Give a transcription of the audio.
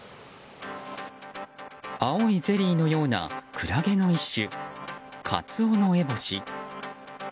青いゼリーのようなクラゲの一種、カツオノエボシ。